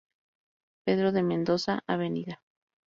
Pedro de Mendoza, Av.